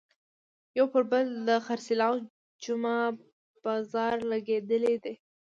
یو پر بل د خرڅلاو جمعه بازار لګېدلی دی.